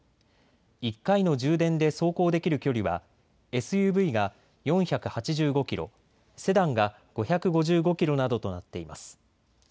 １回の充電で走行できる距離はＳＵＶが４８５キロ、セダンが５５５キロなどとなっています。